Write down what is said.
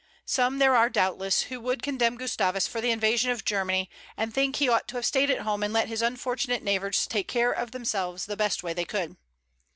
Some there are, doubtless, who would condemn Gustavus for the invasion of Germany, and think he ought to have stayed at home and let his unfortunate neighbors take care of themselves the best way they could.